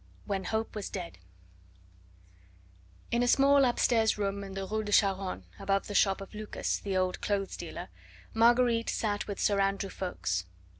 WHEN HOPE WAS DEAD In a small upstairs room in the Rue de Charonne, above the shop of Lucas the old clothes dealer, Marguerite sat with Sir Andrew Ffoulkes.